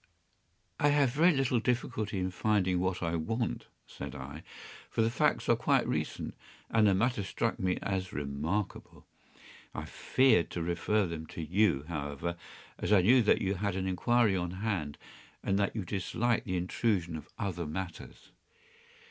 ” “I have very little difficulty in finding what I want,” said I, “for the facts are quite recent, and the matter struck me as remarkable. I feared to refer them to you, however, as I knew that you had an inquiry on hand, and that you disliked the intrusion of other matters.